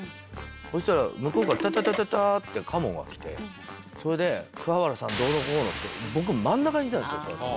そしたら向こうからタタタタタッて嘉門が来てそれで桑原さんどうのこうのって僕真ん中にいたんですよ。